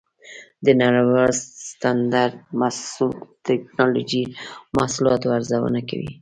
د نړیوال سټنډرډ مؤسسه د ټېکنالوجۍ محصولاتو ارزونه کوي.